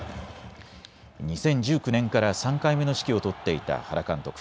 ２０１９年から３回目の指揮を執っていた原監督。